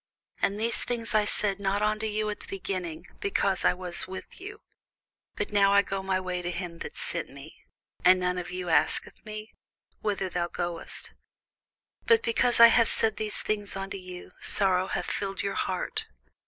And these things I said not unto you at the beginning, because I was with you. But now I go my way to him that sent me; and none of you asketh me, Whither goest thou? But because I have said these things unto you, sorrow hath filled your heart.